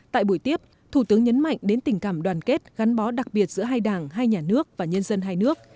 tại buổi tiếp thủ tướng nhấn mạnh đến tình cảm đoàn kết gắn bó đặc biệt giữa hai đảng hai nhà nước và nhân dân hai nước